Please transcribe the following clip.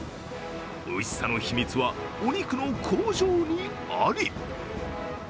おいしさの秘密は、お肉の工場にあり。